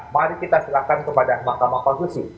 mari kita serahkan kepada mahkamah konstitusi